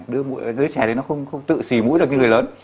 đứa trẻ thì nó không tự xì mũi ra cho người lớn